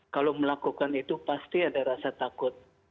kalau melakukan itu pasti ada rasa takut